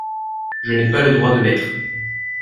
Je n'ai pas le droit de l'être.